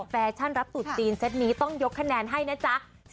แฟชั่นรับตุ๊จีนเซ็ตนี้ต้องยกคะแนนให้นะจ๊ะ